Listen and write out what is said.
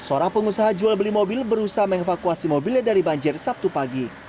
seorang pengusaha jual beli mobil berusaha mengevakuasi mobilnya dari banjir sabtu pagi